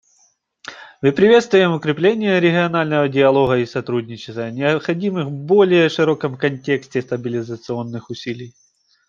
Мы приветствуем укрепление регионального диалога и сотрудничества, необходимых в более широком контексте стабилизационных усилий.